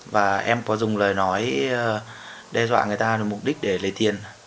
và em có dùng lời nói đe dọa người ta mục đích để lấy tiền